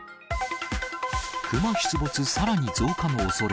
クマ出没、さらに増加のおそれ。